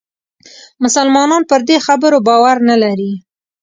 مسلمانان پر دې خبرو باور نه لري.